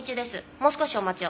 もう少しお待ちを。